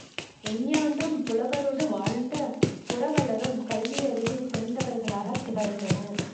எஞ்ஞான்றும் புலவரொடு வாழ்ந்த புரவலரும் கல்வியறிவில் சிறந்தவர்களாகத் திகழ்ந்தனர்.